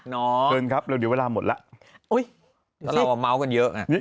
ชับแล้วเดี๋ยวเนื้อเดือน๐๕